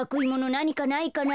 なにかないかな。